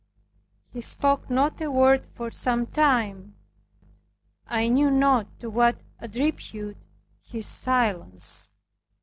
He spoke not a word for some time. I knew not to what attribute his silence.